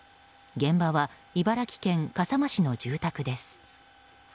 現場は茨城県笠間市の住宅です。